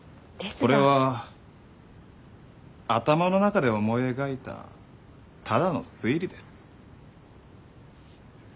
これは頭の中で思い描いたただの推理です。